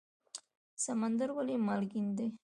سمندر ولې مالګین دی؟